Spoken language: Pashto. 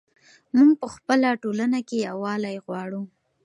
موږ په خپله ټولنه کې یووالی غواړو.